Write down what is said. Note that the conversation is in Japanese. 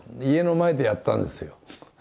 家の前でやったんですよ。